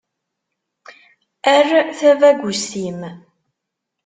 Err tabagust-im.